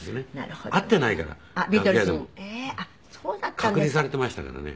隔離されていましたからね